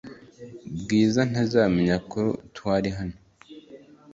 Bwiza ntazamenya ko twari hano .